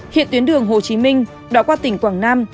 hiện tuyến đường hồ chí minh đoạn qua tỉnh quảng nam